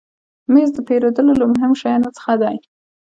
مېز د پیرودلو له مهمو شیانو څخه دی.